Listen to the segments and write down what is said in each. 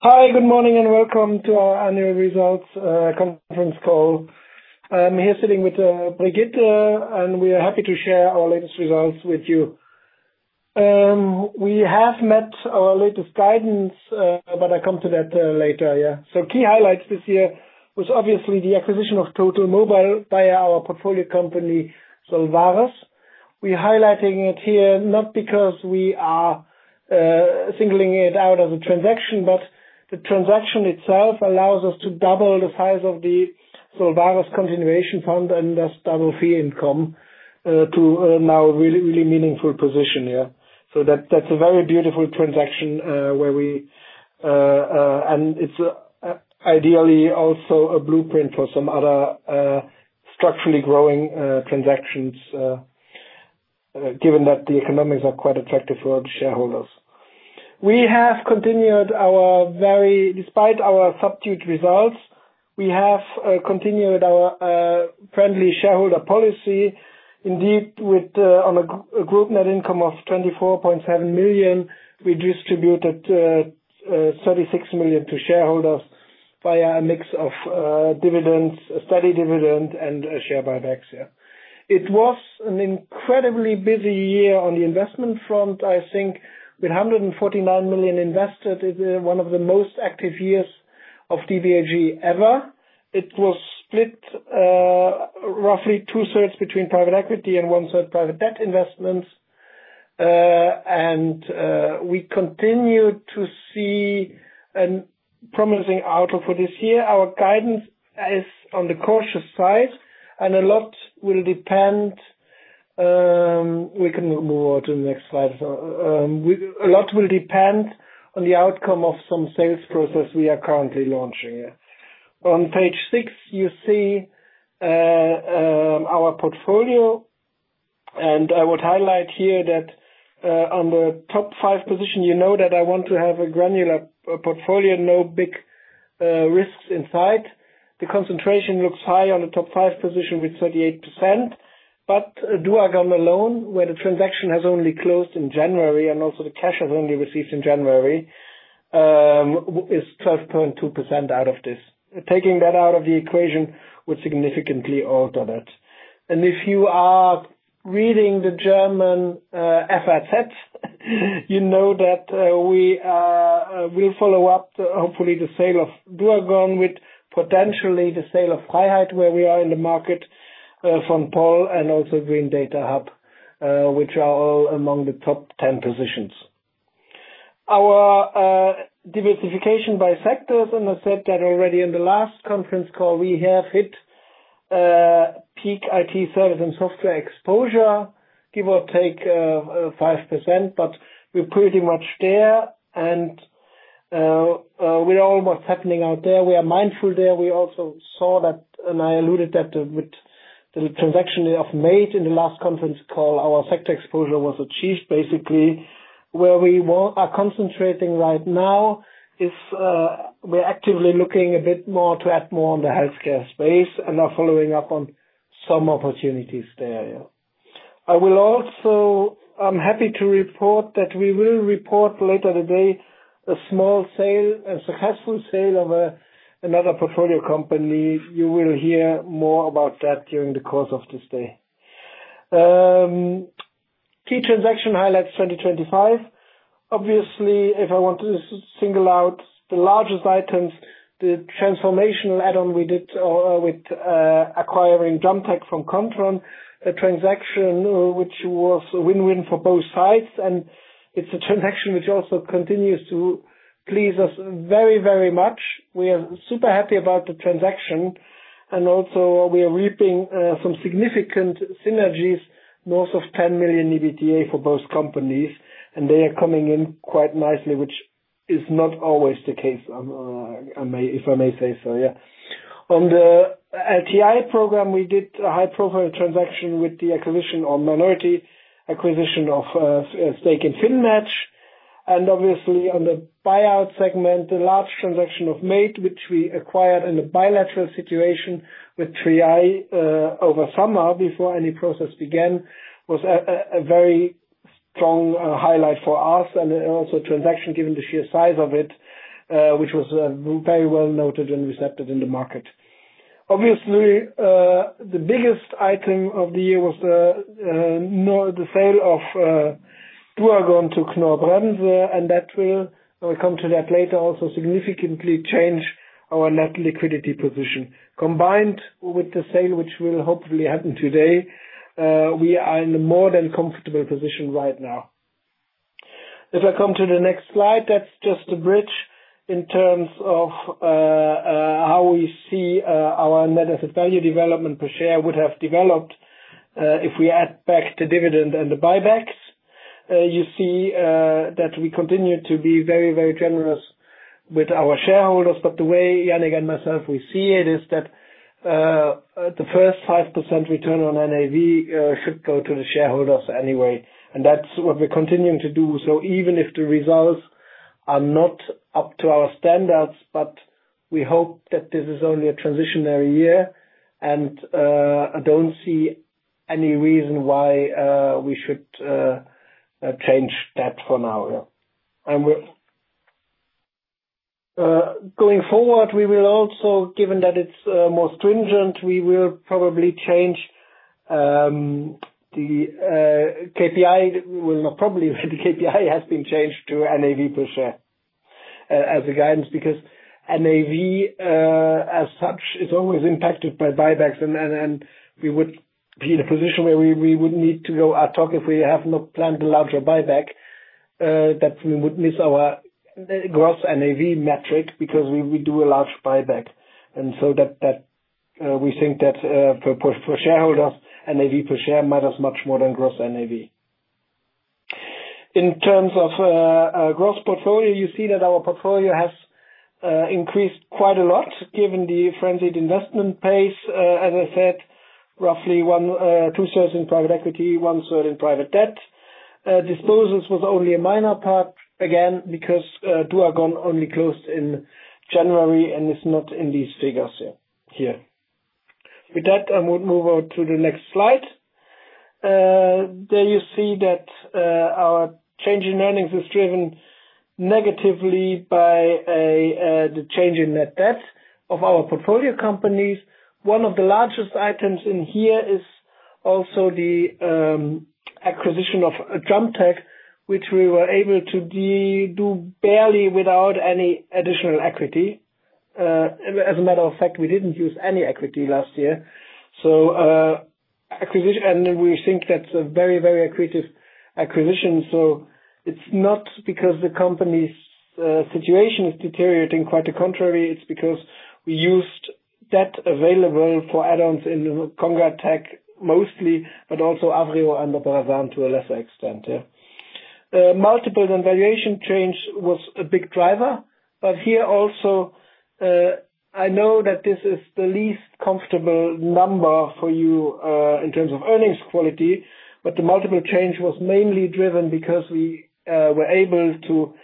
Hi, good morning and welcome to our annual results conference call. I'm here sitting with Brigitte, we are happy to share our latest results with you. We have met our latest guidance, I come to that later. Key highlights this year was obviously the acquisition of Totalmobile by our portfolio company, Solvares. We're highlighting it here not because we are singling it out as a transaction, but the transaction itself allows us to double the size of the Solvares Continuation Fund, and thus double fee income to a now really, really meaningful position. That's a very beautiful transaction. It's ideally also a blueprint for some other structurally growing transactions given that the economics are quite attractive for our shareholders. Despite our subdued results, we have continued our friendly shareholder policy. Indeed, with on a group net income of 24.7 million, we distributed 36 million to shareholders via a mix of dividends, a steady dividend and share buybacks, yeah. It was an incredibly busy year on the investment front. I think with 149 million invested, one of the most active years of DBAG ever. It was split roughly 2/3 between private equity and 1/3 private debt investments. We continue to see a promising outlook for this year. Our guidance is on the cautious side. A lot will depend. We can move on to the next slide. A lot will depend on the outcome of some sales process we are currently launching, yeah. On page six, you see our portfolio, and I would highlight here that on the top five position, you know that I want to have a granular portfolio, no big risks in sight. The concentration looks high on the top five position with 38%, but duagon alone, where the transaction has only closed in January and also the cash is only received in January, is 12.2% out of this. Taking that out of the equation would significantly alter that. If you are reading the German F.A.Z., you know that we will follow up hopefully the sale of duagon with potentially the sale of freiheit, where we are in the market from fall and also Green Datahub, which are all among the top 10 positions. Our diversification by sectors, and I said that already in the last conference call, we have hit peak IT service and software exposure, give or take 5%, but we're pretty much there and we know what's happening out there. We are mindful there. We also saw that, and I alluded that with the transaction of MAIT in the last conference call, our sector exposure was achieved basically. Where we are concentrating right now is, we're actively looking a bit more to add more on the healthcare space and are following up on some opportunities there, yeah. I'm happy to report that we will report later today a small sale, a successful sale of another portfolio company. You will hear more about that during the course of this day. Key transaction highlights 2025. Obviously, if I want to single out the largest items, the transformational add on we did with acquiring JUMPtec from Kontron, a transaction which was a win-win for both sides, and it's a transaction which also continues to please us very, very much. We are super happy about the transaction, and also we are reaping some significant synergies, north of 10 million EBITDA for both companies, and they are coming in quite nicely, which is not always the case, if I may say so, yeah. On the LTI program, we did a high-profile transaction with the acquisition on minority acquisition of a stake in FinMatch. Obviously on the buyout segment, the large transaction of MAIT, which we acquired in a bilateral situation with 3i, over summer before any process began, was a very strong highlight for us and also transaction given the sheer size of it, which was very well noted and accepted in the market. Obviously, the biggest item of the year was the sale of duagon to Knorr-Bremse, and that will, I'll come to that later, also significantly change our net liquidity position. Combined with the sale which will hopefully happen today, we are in a more than comfortable position right now. If I come to the next slide, that's just a bridge in terms of how we see our net asset value development per share would have developed if we add back the dividend and the buybacks. You see that we continue to be very, very generous with our shareholders. The way Jan and myself, we see it, is that the first 5% return on NAV should go to the shareholders anyway. That's what we're continuing to do. Even if the results are not up to our standards, but we hope that this is only a transitionary year and I don't see any reason why we should change that for now, yeah. Going forward, we will also, given that it's more stringent, we will probably change the KPI. Well, not probably, the KPI has been changed to NAV per share as a guidance. NAV, as such, is always impacted by buybacks, and we would be in a position where we would need to go ad hoc if we have not planned a larger buyback, that we would miss our gross NAV metric because we do a large buyback. That we think that for shareholders, NAV per share matters much more than gross NAV. In terms of gross portfolio, you see that our portfolio has increased quite a lot given the frenzied investment pace. As I said, roughly 2/3 in private equity, 1/3 in private debt. Disposals was only a minor part, again, because duagon only closed in January and is not in these figures here. With that, I would move on to the next slide. There you see that our change in earnings is driven negatively by the change in net debt of our portfolio companies. One of the largest items in here is also the acquisition of JUMPtec, which we were able to do barely without any additional equity. As a matter of fact, we didn't use any equity last year. We think that's a very accretive acquisition. It's not because the company's situation is deteriorating. Quite the contrary, it's because we used debt available for add-ons in the congatec mostly, but also Avrio and to a lesser extent. Multiples and valuation change was a big driver. Here also, I know that this is the least comfortable number for you in terms of earnings quality, but the multiple change was mainly driven because we were able to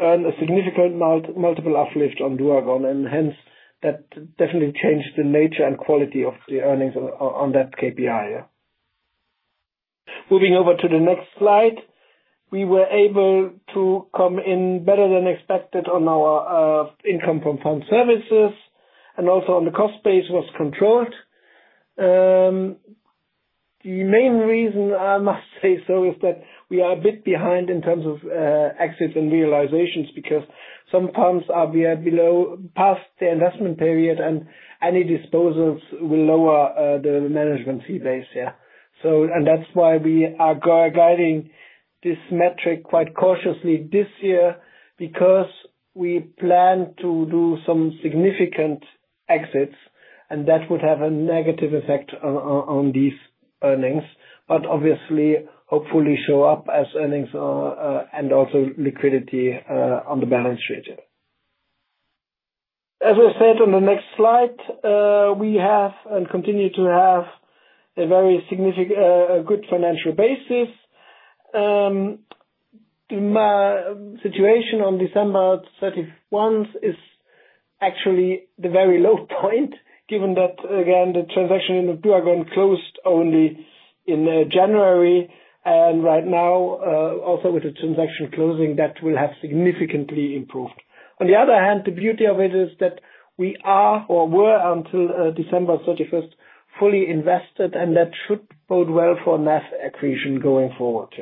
earn a significant multiple uplift on duagon, and hence, that definitely changed the nature and quality of the earnings on that KPI. Moving over to the next slide. We were able to come in better than expected on our income from fund services, and also on the cost base was controlled. The main reason I must say so is that we are a bit behind in terms of exits and realizations because some funds are past the investment period, and any disposals will lower the management fee base, yeah. That's why we are guiding this metric quite cautiously this year, because we plan to do some significant exits, and that would have a negative effect on these earnings, but obviously, hopefully show up as earnings and also liquidity on the balance sheet, yeah. As I said on the next slide, we have and continue to have a very good financial basis. My situation on December 31st is actually the very low point, given that, again, the transaction in duagon closed only in January. Right now, also with the transaction closing, that will have significantly improved. On the other hand, the beauty of it is that we are or were, until December 31st, fully invested, and that should bode well for NAV accretion going forward.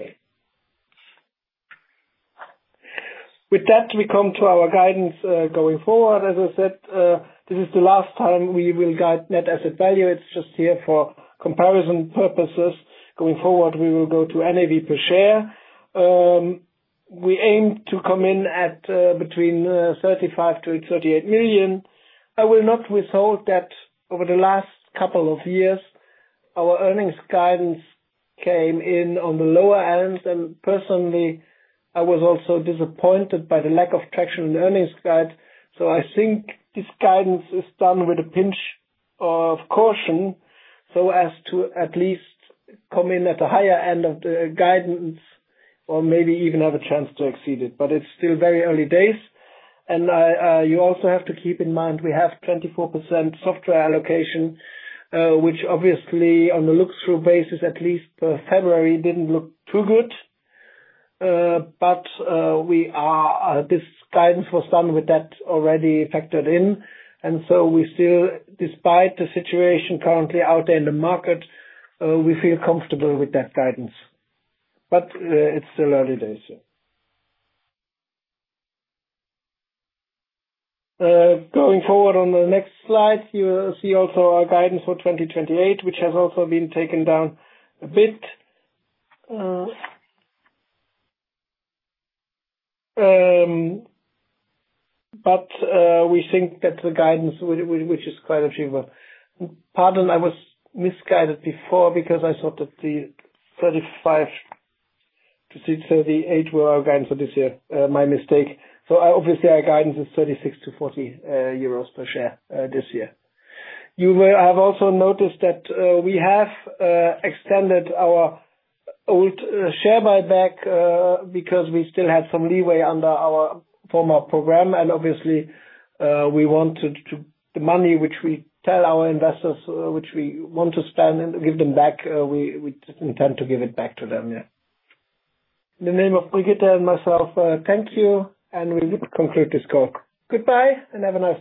With that, we come to our guidance going forward. As I said, this is the last time we will guide net asset value. It's just here for comparison purposes. Going forward, we will go to NAV per share. We aim to come in at between 35 million-38 million. I will not withhold that over the last couple of years, our earnings guidance came in on the lower end. Personally, I was also disappointed by the lack of traction in the earnings guide. I think this guidance is done with a pinch of caution, so as to at least come in at the higher end of the guidance or maybe even have a chance to exceed it. It's still very early days. You also have to keep in mind we have 24% software allocation, which obviously, on a look-through basis, at least for February, didn't look too good. This guidance was done with that already factored in. We still, despite the situation currently out there in the market, we feel comfortable with that guidance. It's still early days, yeah. Going forward on the next slide, you see also our guidance for 2028, which has also been taken down a bit. We think that's a guidance which is quite achievable. Pardon, I was misguided before because I thought that the 35-38 were our guidance for this year. My mistake. Obviously, our guidance is 36-40 euros per share this year. You will have also noticed that, we have extended our old share buyback, because we still have some leeway under our former program. Obviously, we want to The money which we tell our investors, which we want to spend and give them back, we intend to give it back to them, yeah. In the name of Brigitte and myself, thank you, and we conclude this call. Goodbye, and have a nice day.